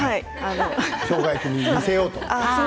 しょうが焼きに似せようと思って。